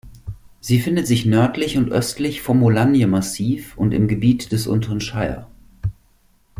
Sie findet sich nördlich und östlich vom Mulanje-Massiv und im Gebiet des unteren Shire.